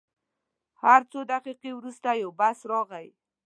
هر څو دقیقې وروسته یو بس راغی.